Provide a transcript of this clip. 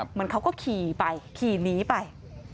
เหมือนเขาก็ขี่ไปขี่หนีไป